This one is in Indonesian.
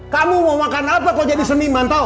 kamu mau makan apa kau jadi seniman tahu